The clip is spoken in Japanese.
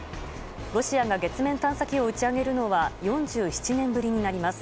ロシアが月面探査機を打ち上げるのは４７年ぶりになります。